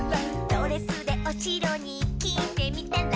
「ドレスでおしろにきてみたら」